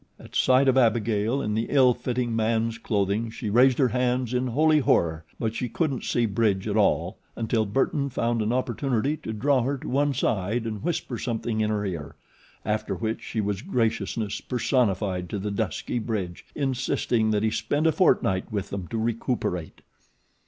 At sight of Abigail in the ill fitting man's clothing she raised her hands in holy horror; but she couldn't see Bridge at all, until Burton found an opportunity to draw her to one side and whisper something in her ear, after which she was graciousness personified to the dusky Bridge, insisting that he spend a fortnight with them to recuperate.